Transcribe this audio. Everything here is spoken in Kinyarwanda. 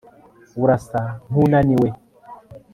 urasa nkunaniwe